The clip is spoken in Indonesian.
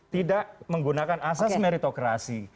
tidak menggunakan asas meritokrasi